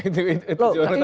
itu juara utamanya